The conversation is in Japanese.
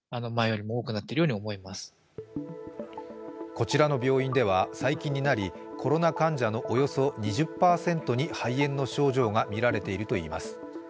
こちらの病院では、最近になりコロナ患者のおよそ２０％に肺炎の症状が見られているといいます。